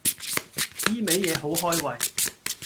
依味野好開胃